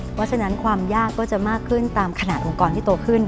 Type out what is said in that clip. เพราะฉะนั้นความยากก็จะมากขึ้นตามขนาดองค์กรที่โตขึ้น